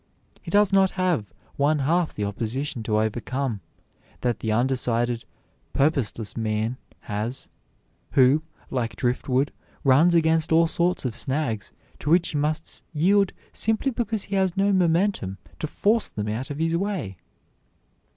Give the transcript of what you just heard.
He does not have one half the opposition to overcome that the undecided, purposeless man has who, like driftwood, runs against all sorts of snags to which he must yield simply because he has no momentum to force them out of his way.